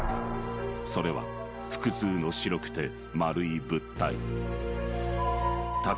［それは複数の白くて丸い物体］